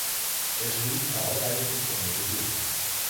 Er schrieb zahlreiche Komödien.